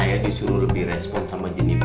saya disuruh lebih respon sama jennifer kum